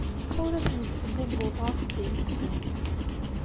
Ur asent-sbubbuḍeɣ axeddim-nsent.